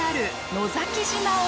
野崎島だ。